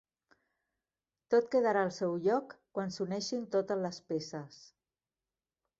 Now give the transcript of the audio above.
Tot quedarà al seu lloc quan s'uneixin totes les peces.